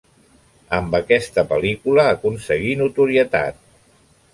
Amb aquesta pel·lícula aconseguí notorietat.